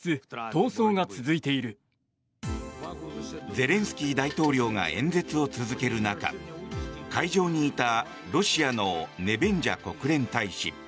ゼレンスキー大統領が演説を続ける中会場にいたロシアのネベンジャ国連大使。